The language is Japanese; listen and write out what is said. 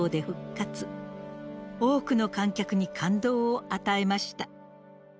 多くの観客に感動を与えました。